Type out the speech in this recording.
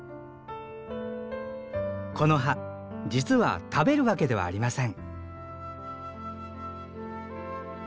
この葉実は食べるわけではありません。